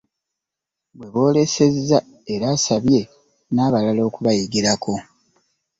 Gweboolesezza era asabye n'abalala okubayigirako